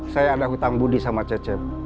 saya ada hutang budi sama cecep